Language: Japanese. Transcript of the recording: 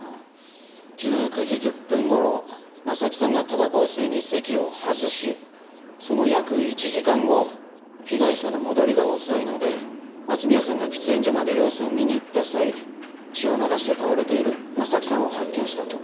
ああ１９時１０分頃征木さんがたばこを吸いに席を外しその約１時間後被害者の戻りが遅いので松宮さんが喫煙所まで様子を見に行った際血を流して倒れている征木さんを発見したと。